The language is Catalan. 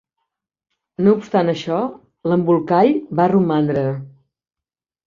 No obstant això, l'embolcall va romandre.